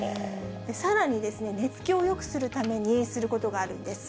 さらに寝つきをよくするためにすることがあるんです。